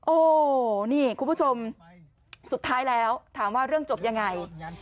โอ้นี่คุณผู้ชมสุดท้ายแล้วถามว่าเรื่องจบยังไง